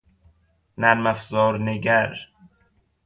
نرم افزارنگر